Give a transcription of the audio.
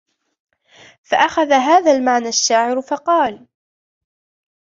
فَأَخَذَ هَذَا الْمَعْنَى الشَّاعِرُ فَقَالَ